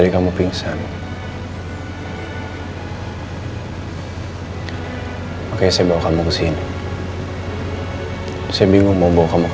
kamu yang bayar